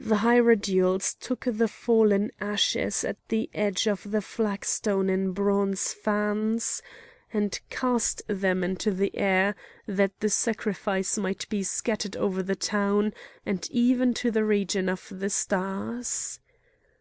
The hierodules took the fallen ashes at the edge of the flagstone in bronze fans, and cast them into the air that the sacrifice might be scattered over the town and even to the region of the stars.